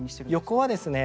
横はですね